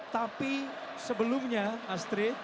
tapi sebelumnya astrid